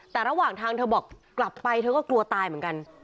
แต่ระหว่างทางเธอบอกกลับไปเธอก็กลัวตายเหมือนกัน